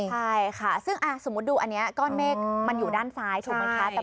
ใช่ค่ะซึ่งสมมุติดูอันนี้ก้อนเมฆมันอยู่ด้านซ้ายถูกไหมคะ